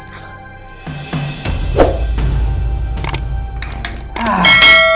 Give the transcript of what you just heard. paket mati sekali lagi ini